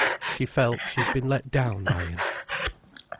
She felt she had been let down by him.